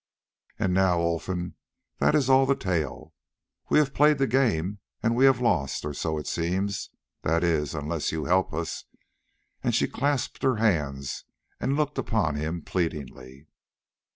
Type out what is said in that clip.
"And now, Olfan, that is all the tale. We have played the game and we have lost, or so it seems—that is, unless you help us;" and she clasped her hands and looked upon him pleadingly.